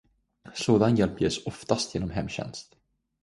Sådan hjälp ges oftast genom hemtjänst.